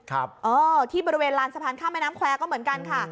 ครับเออที่บริเวณลานสะพานข้ามแม่น้ำแควร์ก็เหมือนกันค่ะ